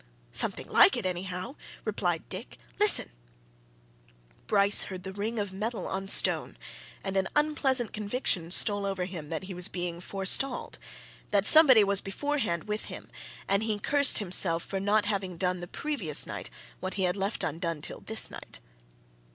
"Something like it, anyhow," replied Dick. "Listen." Bryce heard the ring of metal on stone. And an unpleasant conviction stole over him that he was being forestalled, that somebody was beforehand with him, and he cursed himself for not having done the previous night what he had left undone till this night.